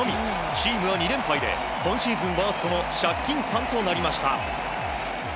チームは２連敗で今シーズンワーストの借金３となりました。